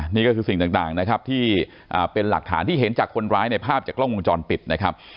นี่ก็คือสิ่งต่างนะครับที่เป็นหลักฐานที่เห็นจากคนร้ายในภาพจากกล้องวงจรปิดนะครับ